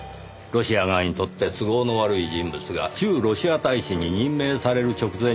ロシア側にとって都合の悪い人物が駐ロシア大使に任命される直前に殺された。